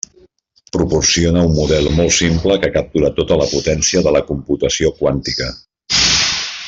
Proporciona un model molt simple que captura tota la potència de la computació quàntica.